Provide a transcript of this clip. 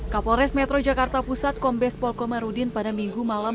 kapolres metro jakarta pusat kombes polkomarudin pada minggu malam